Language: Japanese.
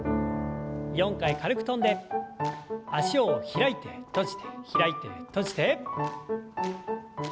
４回軽く跳んで脚を開いて閉じて開いて閉じて。